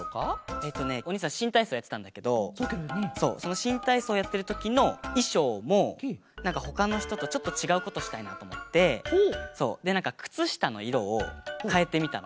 えっとねおにいさんしんたいそうやってたんだけどそうそのしんたいそうやってるときのいしょうもなんかほかのひととちょっとちがうことしたいなとおもってでなんかくつしたのいろをかえてみたの。